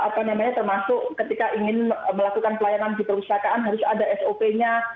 kemudian termasuk ketika ingin melakukan pelayanan di perusahaan harus ada sop nya